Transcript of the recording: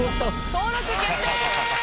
登録決定！